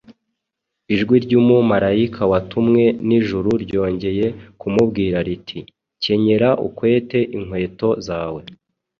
Ijwi ry’umumarayika watumwe n’ijuru ryongeye kumubwira riti, « Kenyera ukwete inkweto zawe. »